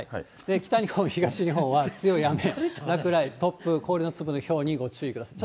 北日本、東日本は強い雨、落雷、突風、氷の粒のひょうにご注意ください。